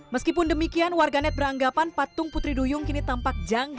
meskipun demikian warganet beranggapan patung putri duyung kini tampak janggal